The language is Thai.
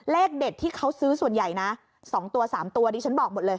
เลขเด็ดที่เขาซื้อส่วนใหญ่นะ๒ตัว๓ตัวดิฉันบอกหมดเลย